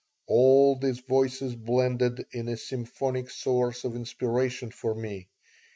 All these voices blended in a symphonic source of inspiration for me.